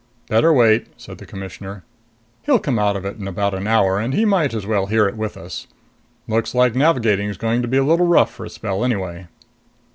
"Better wait," said the Commissioner. "He'll come out of it in about an hour, and he might as well hear it with us. Looks like navigating's going to be a little rough for a spell anyway."